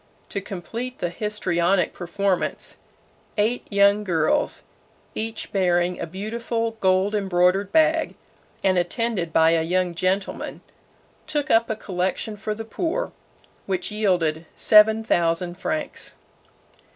To complete the histrionic performance, eight young girls, each bearing a beautiful gold embroidered bag, and attended by a young gentleman, "took up a collection" for the poor, which yielded seven thousand francs.